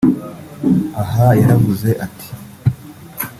Aha yaravuze ati